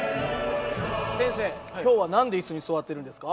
先生今日は何で椅子に座ってるんですか？